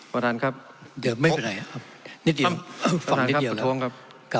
ประธานครับเดี๋ยวไม่ไปไหนครับนิดเดียวฟังนิดเดียวแล้ว